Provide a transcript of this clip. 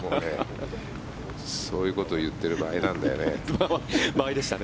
そういうことを言っている場合なんだよね。